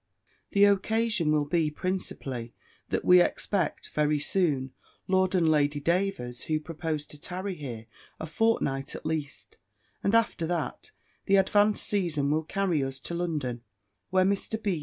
"The occasion will be principally, that we expect, very soon, Lord and Lady Davers, who propose to tarry here a fortnight at least; and after that, the advanced season will carry us to London, where Mr. B.